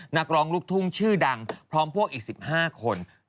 นักร้องลูกทุ่งชื่อดังพร้อมพวกอีก๑๕คน